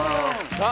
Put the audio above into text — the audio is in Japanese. さあ